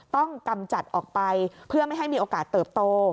กำจัดออกไปเพื่อไม่ให้มีโอกาสเติบโต